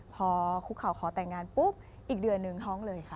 พอคุกเขาขอแต่งงานปุ๊บอีกเดือนหนึ่งห้องเลยค่ะ